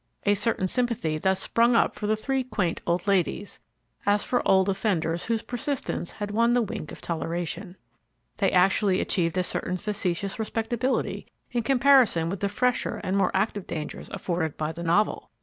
A certain sympathy thus sprung up for the three quaint old ladies, as for old offenders whose persistence had won the wink of toleration. They actually achieved a certain factitious respectability in comparison with the fresher and more active dangers afforded by the Novel.